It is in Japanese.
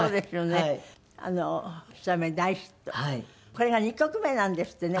これが２曲目なんですってね？